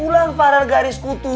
pulang farel garis kutu